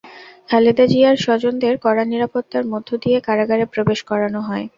খালেদা জিয়ার স্বজনদের কড়া নিরাপত্তার মধ্য দিয়ে কারাগারে প্রবেশ করানো হয়।